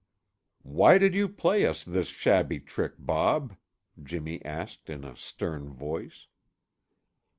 "Why did you play us this shabby trick, Bob?" Jimmy asked in a stern voice.